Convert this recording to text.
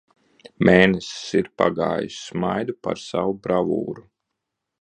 Mēnesis ir pagājis. Smaidu par savu bravūru.